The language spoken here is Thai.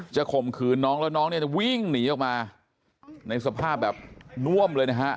ข่มขืนน้องแล้วน้องเนี่ยจะวิ่งหนีออกมาในสภาพแบบน่วมเลยนะฮะ